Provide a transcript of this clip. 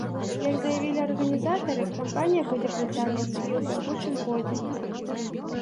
Як заявілі арганізатары, кампанія будзе працягвацца і ў бягучым годзе.